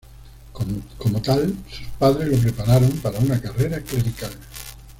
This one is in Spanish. Como tal, sus padres lo prepararon para una carrera clerical.